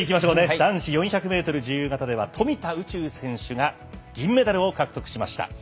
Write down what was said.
男子４００ｍ自由形では富田宇宙選手が銀メダルを獲得しました。